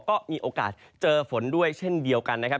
ก็มีโอกาสเจอฝนด้วยเช่นเดียวกันนะครับ